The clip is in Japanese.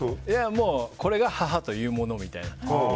もうこれが母というものみたいな。